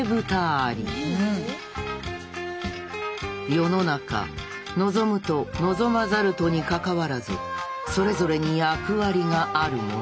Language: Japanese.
世の中望むと望まざるとにかかわらずそれぞれに役割があるもの。